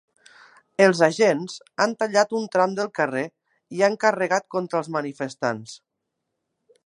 Els agents han tallat un tram del carrer i han carregat contra els manifestants.